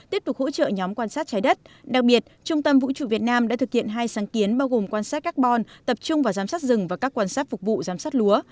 tiếp tục hỗ trợ nhóm quan sát trái đất đặc biệt trung tâm vũ trụ việt nam đã thực hiện hai sáng kiến bao gồm quan sát carbon tập trung vào giám sát rừng và các quan sát phục vụ giám sát lúa